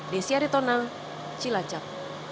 desyari tonang cilacap